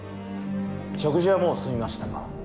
食事はもう済みましたか？